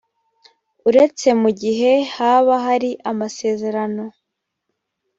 uretse mu gihe haba hari amasezerano